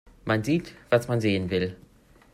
Man sieht, was man sehen will.